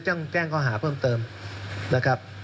ก็เดี๋ยวจะแจ้งเขาหาเพิ่มเติมนะครับ